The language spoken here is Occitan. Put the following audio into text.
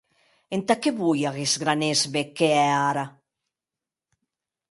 Entà qué voi aguest gran èsme qu’è ara?